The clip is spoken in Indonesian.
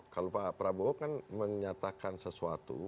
kalau pak prabowo kan menyatakan sesuatu